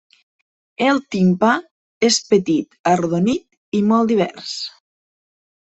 El timpà és petit, arrodonit i molt divers.